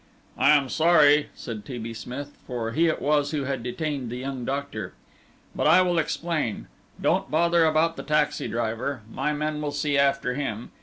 "I am sorry," said T. B. Smith, for he it was who had detained the young doctor, "but I will explain. Don't bother about the taxi driver; my men will see after him.